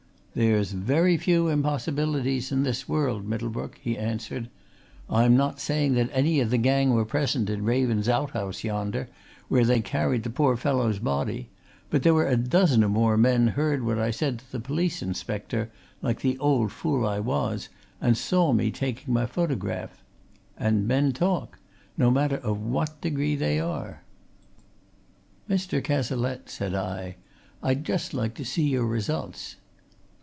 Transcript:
"There's very few impossibilities in this world, Middlebrook," he answered. "I'm not saying that any of the gang were present in Raven's outhouse yonder, where they carried the poor fellow's body, but there were a dozen or more men heard what I said to the police inspector, like the old fool I was, and saw me taking my photograph. And men talk no matter of what degree they are." "Mr. Cazalette," said I, "I'd just like to see your results."